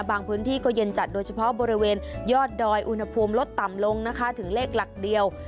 พื้นที่ก็เย็นจัดโดยเฉพาะบริเวณยอดดอยอุณหภูมิลดต่ำลงนะคะถึงเลขหลักเดียว